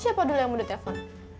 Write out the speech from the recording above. siapa dulu yang udah telfon